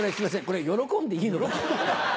これ喜んでいいのかな？